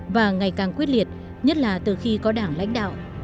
và ngày càng quyết liệt nhất là từ khi có đảng lãnh đạo